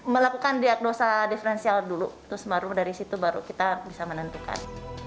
melakukan diagnosa diferensial dulu terus baru dari situ baru kita bisa menentukan